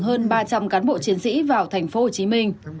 hơn ba trăm linh cán bộ chiến sĩ vào thành phố hồ chí minh